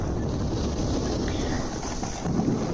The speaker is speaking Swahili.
sukari ya damu ya inaweza kupanda sana kuliko kawaida